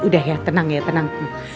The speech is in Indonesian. udah ya tenang ya tenang